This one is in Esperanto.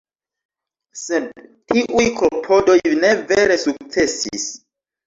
Sed tiuj klopodoj ne vere sukcesis.